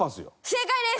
正解です！